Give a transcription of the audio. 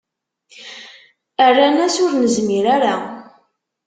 Rran-as: Ur nezmir ara.